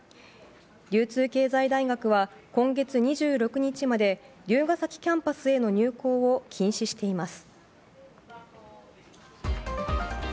流通経済大学は今月２６日まで龍ケ崎キャンパスへの入構を禁止しています。